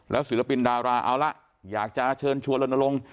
แล้วศิลปินดาราเอาละอยากจะเชิญชัวร์ละลง